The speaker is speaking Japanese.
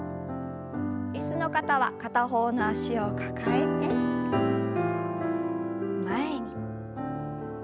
椅子の方は片方の脚を抱えて前に。